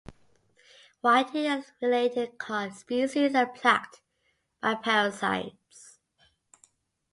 Whiting and related cod species are plagued by parasites.